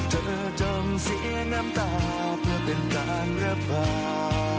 เธอจนเสียน้ำตาเพื่อเป็นการรับพา